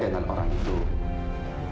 juga kepada semua orang yang berurusan dengannya